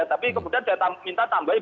tapi kemudian saya minta tambahin